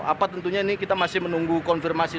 apa tentunya ini kita masih menunggu konfirmasi